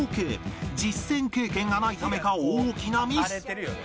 実践経験がないためか大きなミス